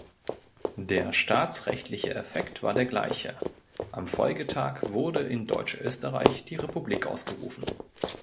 Der staatsrechtliche Effekt war der gleiche; am Folgetag wurde in Deutschösterreich die Republik ausgerufen.